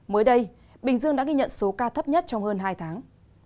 mới đây bình dương đã ghi nhận số ca thấp nhất trong hơn hai tháng